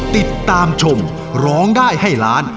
ติดตามชมร้องได้ให้ล้าน